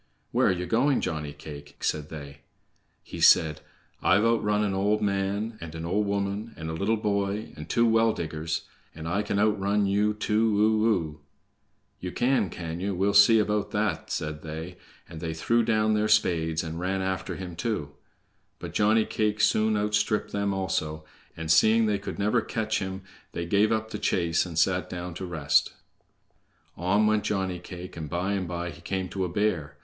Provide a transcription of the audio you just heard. "Where ye going, Johnny cake?" said they. He said: "I've outrun an old man, and an old woman, and a little boy, and two well diggers, and I can outrun you too o o!" "Ye can, can ye? We'll see about that!" said they; and they threw down their spades, and ran after him too. But Johnny cake soon outstripped them also, and seeing they could never catch him, they gave up the chase and sat down to rest. On went Johnny cake, and by and by he came to a bear.